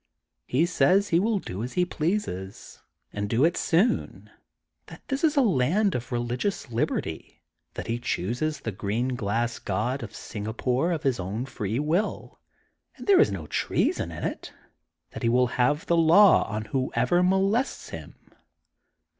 He says he will do as he pleases, and do it soon, that this is a land of religious liberty, that he chooses the green glass god of Singapore, of his own free will, and there is no treason in it, that he will have the law on whoever molests him.